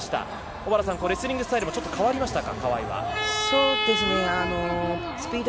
小原さん、レスリングスタイルは変わりましたか？